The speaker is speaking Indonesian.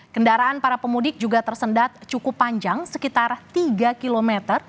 kendaraan para pemudik juga tersendat cukup panjang sekitar tiga km